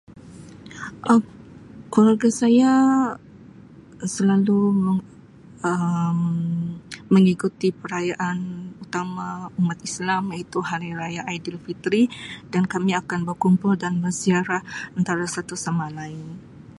Um Keluarga saya selalu Um mengikuti perayaan utama umat Islam iaitu Hari Raya Aidilfitri dan kami akan berkumpul dan menziarah antara satu sama lain.